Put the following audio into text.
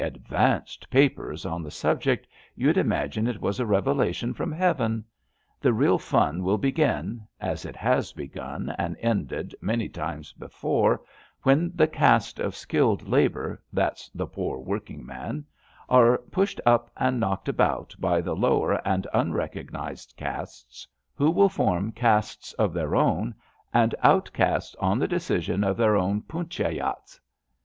*^ ad vanced '* papers on the subject you'd imagine it was a revelation from Heaven. The real fun will begin — ^as it has begun and ended many times before — ^when the caste of skilled labour — ^that's the pore workin'man — are pushed up and knocked about by the lower 'and unrecognised castes, who will form castes of their own and outcaste on the decision of their own punchayats.